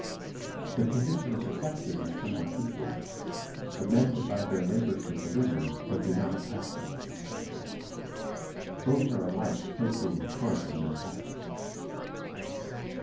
The condition of the sexes is somewhat equal; the men divide their labors with the women, but do not oppress them. Both are alike filthy and coarse in their habits.